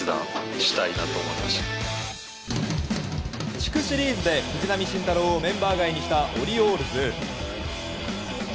地区シリーズで藤浪晋太郎をメンバー外にしたオリオールズ。